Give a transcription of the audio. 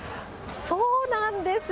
そうなんですよ。